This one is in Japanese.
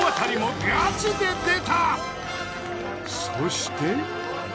そして。